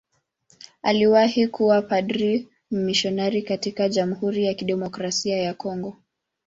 Aliwahi kuwa padri mmisionari katika Jamhuri ya Kidemokrasia ya Kongo.